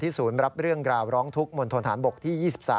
ศูนย์รับเรื่องราวร้องทุกข์มณฑนฐานบกที่๒๓